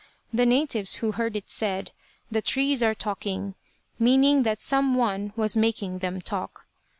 The natives who heard it said, "The trees are talking," meaning that some one was making them talk.